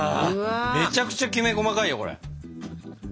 めちゃくちゃきめ細かいよこれ。